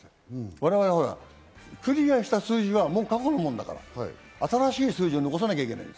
我々クリアした数字は過去のものだから新しい数字を残さなきゃいけない。